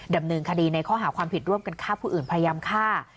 ดำเนินคดีในข้อหาความผิดร่วมกันฆ่าผู้อื่นพยายามฆ่า